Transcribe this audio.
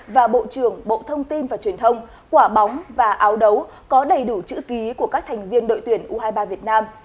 và bộ trưởng bộ thông tin và truyền thông quả bóng và áo đấu có đầy đủ chữ ký của các thành viên đội tuyển u hai mươi ba việt nam